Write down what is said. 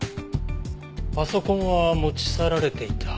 パソコンは持ち去られていた。